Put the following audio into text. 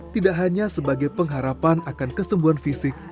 tidak hanya sebagai pengharapan akan kesembuhan fisik